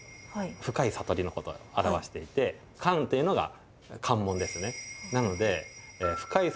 深い悟りのことを表していて関っていうのが関門ですね。